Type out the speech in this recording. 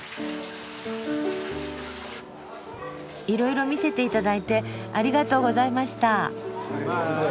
いろいろ見せていただいてありがとうございました。